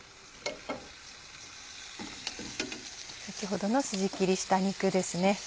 先ほどのスジ切りした肉ですね。